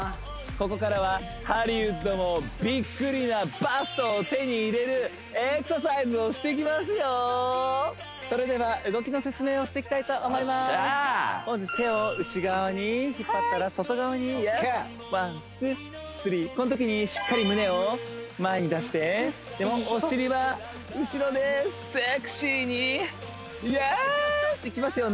ここからはハリウッドもビックリなバストを手に入れるエクササイズをしてきますよーそれでは動きの説明をしてきたいと思いまーすまず手を内側に引っ張ったら外側にイエス１２３このときにしっかり胸を前に出してでもお尻は後ろでセクシーにイエース！いきますよ